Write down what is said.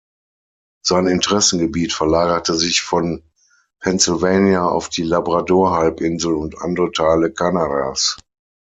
Sein Interessengebiet verlagerte sich von Pennsylvania auf die Labrador-Halbinsel und andere Teile Kanadas.